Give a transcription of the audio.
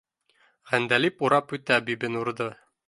— Ғәндәлип урап үтә Бибинурҙы